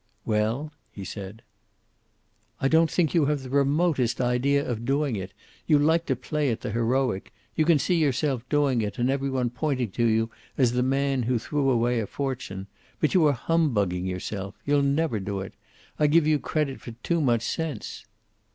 "Well?" he said. "I don't think you have the remotest idea of doing it. You like to play at the heroic. You can see yourself doing it, and every one pointing to you as the man who threw away a fortune. But you are humbugging yourself. You'll never do it. I give you credit for too much sense."